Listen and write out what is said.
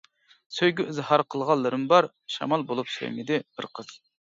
سۆيگۈ ئىزھار قىلغانلىرىم بار، شامال بولۇپ سۆيمىدى بىر قىز.